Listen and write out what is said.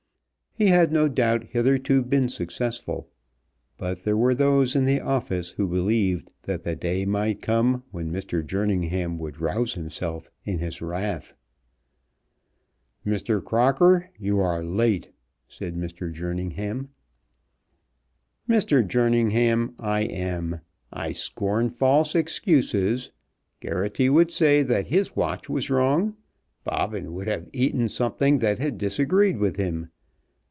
He had no doubt hitherto been successful, but there were those in the office who believed that the day might come when Mr. Jerningham would rouse himself in his wrath. "Mr. Crocker, you are late," said Mr. Jerningham. "Mr. Jerningham, I am late. I scorn false excuses. Geraghty would say that his watch was wrong. Bobbin would have eaten something that had disagreed with him.